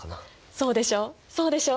そうでしょそうでしょ！